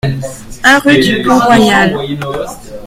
un rue du Pont Royal